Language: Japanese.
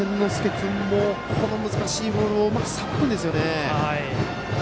君もこの難しいボールをうまくさばくんですよね。